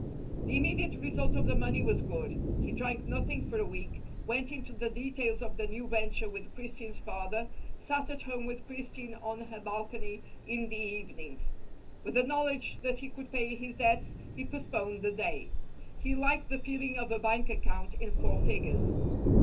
The immediate result of the money was good. He drank nothing for a week, went into the details of the new venture with Christine's father, sat at home with Christine on her balcony in the evenings. With the knowledge that he could pay his debts, he postponed the day. He liked the feeling of a bank account in four figures.